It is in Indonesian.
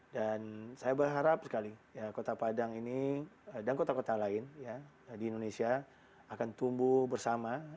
dan saya berharap sekali ya kota padang ini dan kota kota lain di indonesia akan tumbuh bersama